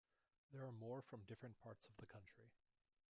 There are more from different parts of the country.